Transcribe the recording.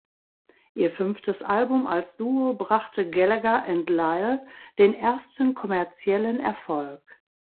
Ihr fünftes Album als Duo brachte "Gallagher and Lyle" den ersten kommerziellen Erfolg.